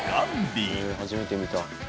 初めて見た。